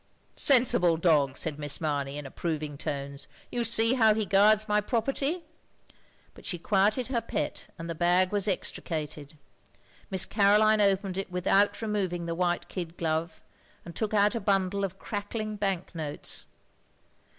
" Sensible dog, " said Miss Mamey, in approving tones, " you see how he guards my property." But she quieted her pet, and the bag was extricated. Miss Caroline opened it without removing the white kid glove, and took out a bundle of crackling bank notes.